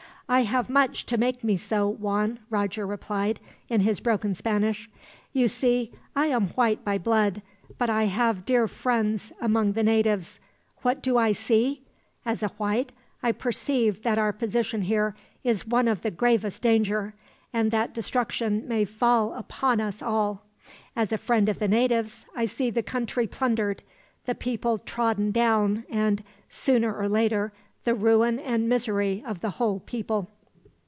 "I have much to make me so, Juan," Roger replied, in his broken Spanish. "You see, I am white by blood, but I have dear friends among the natives. What do I see? As a white, I perceive that our position here is one of the gravest danger, and that destruction may fall upon us all. As a friend of the natives, I see the country plundered, the people trodden down and, sooner or later, the ruin and misery of the whole people."